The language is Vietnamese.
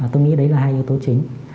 tôi nghĩ đấy là hai yếu tố chính